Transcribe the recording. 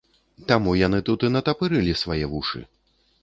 Таму яны тут і натапырылі свае вушы.